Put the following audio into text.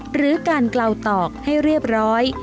หรือการเกลาตอกให้เรียบร้อย